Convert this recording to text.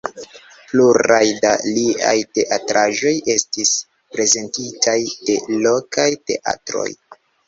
Pluraj da liaj teatraĵoj estis prezentitaj de lokaj teatroj.